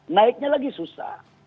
naiknya lagi susah